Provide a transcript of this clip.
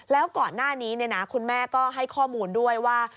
แล้วก่อนหน้านี้คุณแม่ก็ให้ข้อมูลด้วยว่า